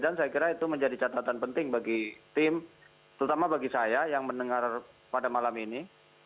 dan saya kira itu menjadi catatan penting bagi tim terutama bagi saya yang mendengar pada malam ini